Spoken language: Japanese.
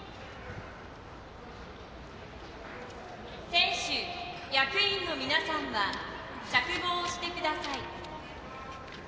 選手、役員の皆さんは着帽してください。